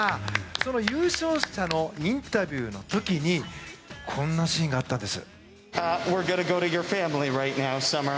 その優勝者のインタビューの時にこんなシーンがあったんです。